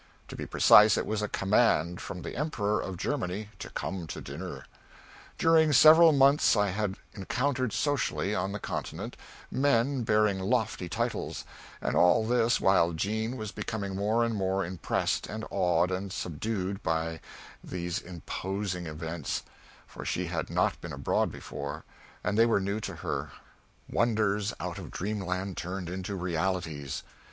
To be precise, it was a command from the Emperor of Germany to come to dinner. During several months I had encountered socially, on the Continent, men bearing lofty titles; and all this while Jean was becoming more and more impressed, and awed, and subdued, by these imposing events, for she had not been abroad before, and they were new to her wonders out of dreamland turned into realities.